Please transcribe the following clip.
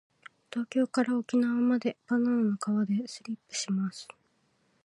東京から沖縄までバナナの皮でスリップします。